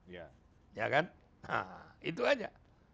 ya kan nah itu aja